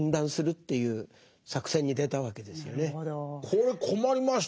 これ困りましたね。